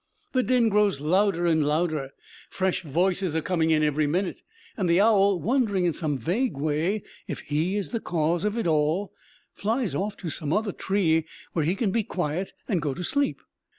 The din grows louder and louder; fresh voices are coming in every minute; and the owl, wondering in some vague way if he is the cause of it all, flies off to some other tree where he can be quiet and go to sleep.